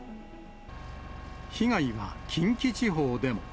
被害は近畿地方でも。